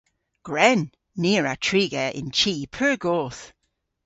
Gwren! Ni a wra triga yn chi pur goth.